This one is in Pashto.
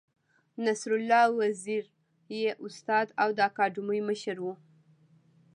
نصرالله وزیر یې استاد او د اکاډمۍ مشر و.